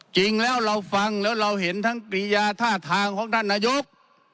จริงแล้วเราฟังแล้วเราเห็นทั้งปริยาท่าทางของท่านนายก